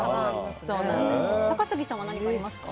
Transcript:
高杉さんは何かありますか？